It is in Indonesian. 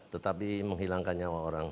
tetapi menghilangkan nyawa orang